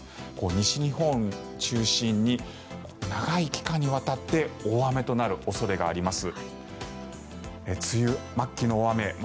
西日本を中心に長い期間にわたって大雨となる恐れがあります。